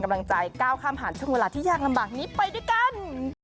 ไหนไหนไหนไหนไหนไหนไหน